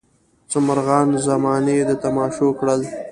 څه مرغان زمانې د تماشو کړل.